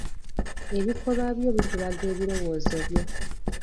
Ebikolwa byo bitulaga ebirowoozo byo.